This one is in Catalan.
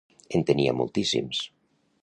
En tenia moltíssims.